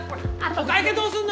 お会計どうすんの？